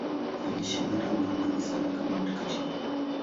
Anaheshimiwa tangu zamani sana kama mtakatifu.